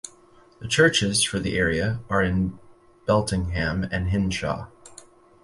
The churches for the area are in Beltingham and Henshaw.